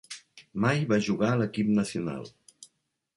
Mai va jugar a l'equip nacional.